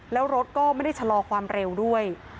แล้วรถก็ไม่ได้ชะลอความเร็วด้วย